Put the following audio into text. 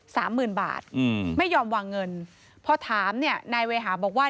สามหมื่นบาทอืมไม่ยอมวางเงินพอถามเนี่ยนายเวหาบอกว่า